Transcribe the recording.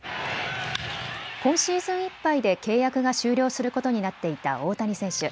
今シーズンいっぱいで契約が終了することになっていた大谷選手。